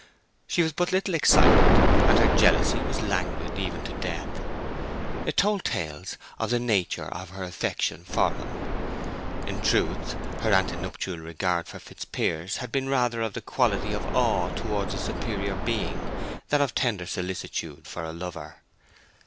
She was but little excited, and her jealousy was languid even to death. It told tales of the nature of her affection for him. In truth, her antenuptial regard for Fitzpiers had been rather of the quality of awe towards a superior being than of tender solicitude for a lover.